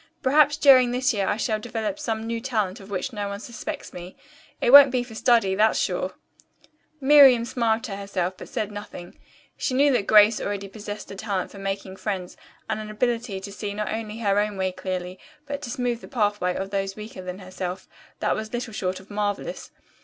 Perhaps during this year I shall develop some new talent of which no one suspects me. It won't be for study, that's sure." Miriam smiled to herself, but said nothing. She knew that Grace already possessed a talent for making friends and an ability to see not only her own way clearly, but to smooth the pathway of those weaker than herself that was little short of marvelous.